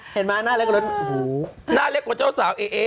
เห็นไหมหน้าเล็กกว่าเจ้าสาวเอ๋